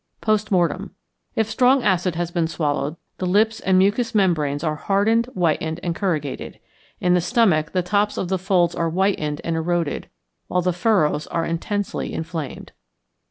Post Mortem. If strong acid has been swallowed, the lips and mucous membranes are hardened, whitened, and corrugated. In the stomach the tops of the folds are whitened and eroded, while the furrows are intensely inflamed.